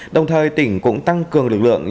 đồng thời tỉnh cũng tăng cường lực lượng